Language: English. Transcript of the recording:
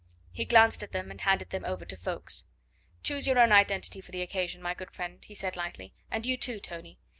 He glanced at them and handed them over to Ffoulkes. "Choose your own identity for the occasion, my good friend," he said lightly; "and you too, Tony.